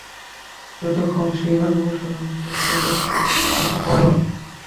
যতক্ষণ সেই বাণী অনুসরণ করি, ততক্ষণই আমরা নীতিপরায়ণ।